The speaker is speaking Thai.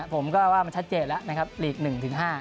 ผมก็ว่ามันชัดเจนแล้วนะครับลีกหนึ่งถึงห้า